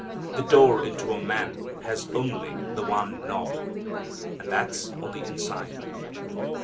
The door into a man has only the one knob. And that's on the inside.